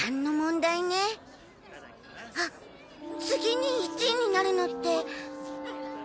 次に１位になるのって。